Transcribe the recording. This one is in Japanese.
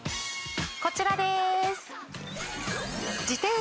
こちらです。